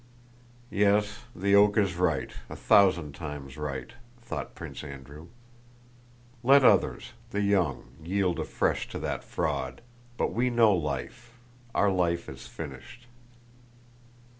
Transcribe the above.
"Yes, the oak is right, a thousand times right," thought Prince Andrew. "Let others—the young—yield afresh to that fraud, but we know life, our life is finished!"